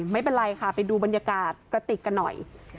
ไม่เป็นไรค่ะไปดูบรรยากาศกระติกกันหน่อย